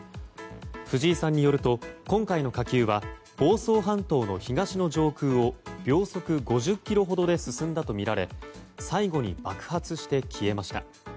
藤井さんによると、今回の火球は房総半島の東の上空を秒速５０キロほどで進んだとみられ最後に爆発して消えました。